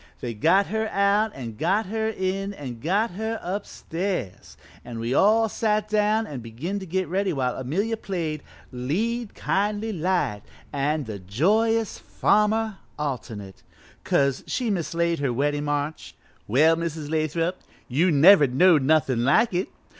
They got her out an' got her in an' got her upstairs, an' we all sat down an' begin to get ready while Amelia played 'Lead, Kindly Light' and 'The Joyous Farmer' alternate, 'cause she'd mislaid her Weddin' March. "Well, Mrs. Lathrop, you never knowed nothin' like it!